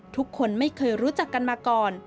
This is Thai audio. ทุกคนไม่เคยรู้จักกันมาก่อน